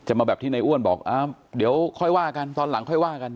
มาแบบที่ในอ้วนบอกเดี๋ยวค่อยว่ากันตอนหลังค่อยว่ากัน